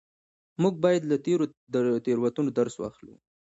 موږ بايد له تېرو تېروتنو درس واخلو.